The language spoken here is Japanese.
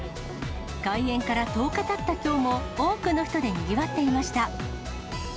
開園から１０日たったきょうも、多くの人でにぎわっていました。